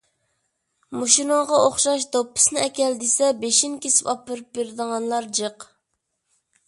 مۇشۇنىڭغا ئوخشاش «دوپپىسىنى ئەكەل» دېسە، بېشىنى كېسىپ ئاپىرىپ بېرىدىغانلار جىق.